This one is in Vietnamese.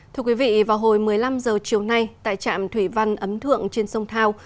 thưa quý vị vào hồi một mươi năm h chiều nay tại trạm thủy văn ấm thượng trên sông thao